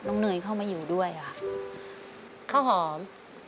น้องข้าวหอม